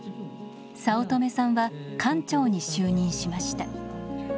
早乙女さんは館長に就任しました。